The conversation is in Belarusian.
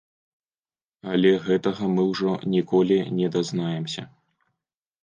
Але гэтага мы ўжо ніколі не дазнаемся.